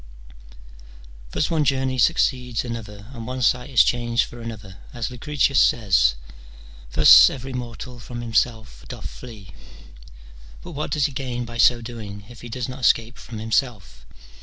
Thus one journey succeeds another, and one sight is changed for another. As Lucretius says :—" Thus ever}' mortal from himself doth flee ;" but what does he gain by so doing if he does not escape from himself?